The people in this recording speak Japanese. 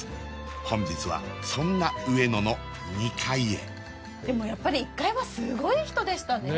本日はそんなうえのの２階へでもやっぱり１階はすごい人でしたねねえ